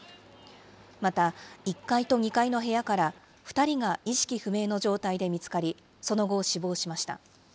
また、１階と２階の部屋から２人が意識不明の状態で見つかり、その後死亡しました。